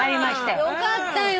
よかったよ。